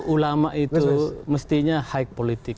ulama itu ulama itu mestinya high politik